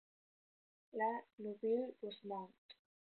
La Neuville-Bosmont